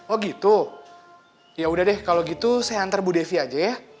oh gitu yaudah deh kalau gitu saya antar bu devi aja ya